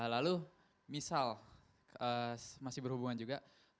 lalu misal masih berhubungan juga